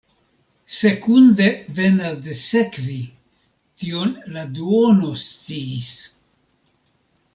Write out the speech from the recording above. Sekunde venas de sekvi, tion la duono sciis.